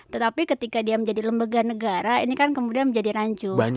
tetapi ketika dia menjadi lembaga negara ini kan kemudian menjadi rancu